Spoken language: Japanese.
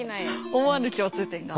思わぬ共通点が。